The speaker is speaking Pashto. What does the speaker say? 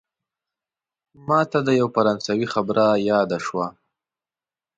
ماته د یوه فرانسوي خبره یاده شوه.